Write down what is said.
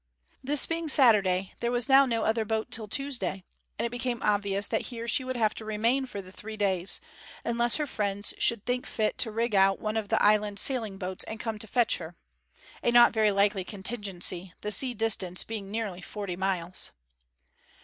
This being Saturday, there was now no other boat till Tuesday, and it became obvious that here she would have to remain for the three days, unless her friends should think fit to rig out one of the island sailing boats and come to fetch her a not very likely contingency, the sea distance being nearly forty miles.